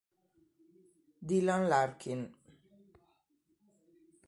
Dylan Larkin